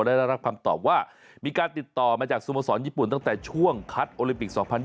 ได้รับคำตอบว่ามีการติดต่อมาจากสโมสรญี่ปุ่นตั้งแต่ช่วงคัดโอลิมปิก๒๐๒๐